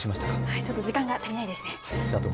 ちょっと時間が足りないですね。